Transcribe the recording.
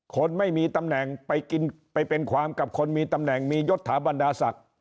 คนไม่มีตำแหน่งไปกินไปเป็นความกับคนมีตำแหน่งมียศถาบรรดาศักดิ์